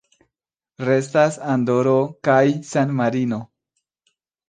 Restas Andoro kaj San-Marino.